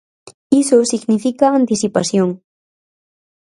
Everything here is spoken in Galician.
Iso significa anticipación.